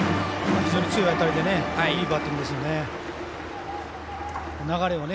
非常に強い当たりでいいバッティングですよね。